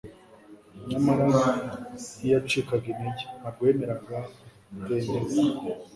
Nyamara ntiyacikaga intege, ntabwo yemeraga gutentebuka.